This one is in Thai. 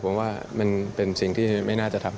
ผมว่ามันเป็นสิ่งที่ไม่น่าจะทำ